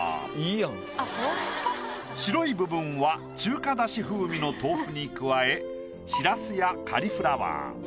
白い部分は中華だし風味の豆腐に加えしらすやカリフラワー。